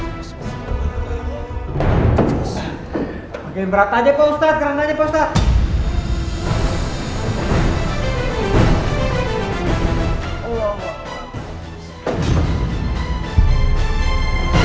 masih ada yang berat aja pak ustadz gerak aja pak ustadz